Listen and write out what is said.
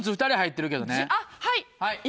はい。